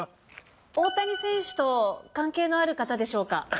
大谷選手と関係のある方でしょうか。